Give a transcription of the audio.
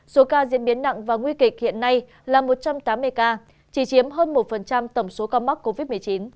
số ca diễn biến nặng và nguy kịch hiện nay là một trăm tám mươi ca chỉ chiếm hơn một tổng số ca mắc covid một mươi chín